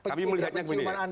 kami melihatnya kemudian